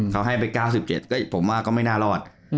เขาให้ไป๙๗ก็ผมว่าก็ไม่น่ารอด